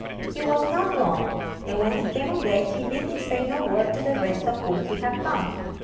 He was not long, and when he came on deck he bid me say no word to the rest of whom he had found.